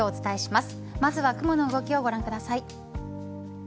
まずは雲の動きをご覧ください。